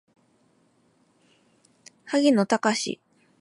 荻野貴司